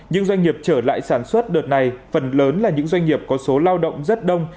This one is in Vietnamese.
nhưng doanh nghiệp trở lại sản xuất đợt này phần lớn là những doanh nghiệp có số lao động rất đông